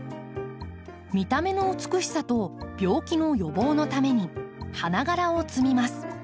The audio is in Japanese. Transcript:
見た目の美しさと病気の予防のために花がらを摘みます。